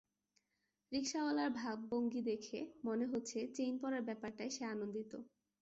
রিকশাওয়ালার ভাবভঙ্গি দেখে মনে হচ্ছে চেইন পড়ার ব্যাপারটায় সে আনন্দিত।